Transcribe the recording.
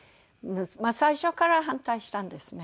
最初から反対したんですね。